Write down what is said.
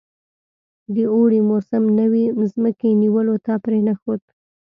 د اوړي موسم نوي مځکې نیولو ته پرې نه ښود.